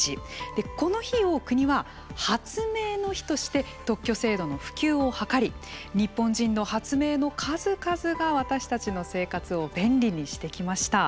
この日を国は「発明の日」として特許制度の普及を図り日本人の発明の数々が、私たちの生活を便利にしてきました。